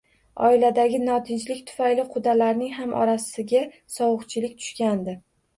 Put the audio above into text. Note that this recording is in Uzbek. Oiladagi notinchlik tufayli qudalarning ham orasiga sovuqchilik tushgandi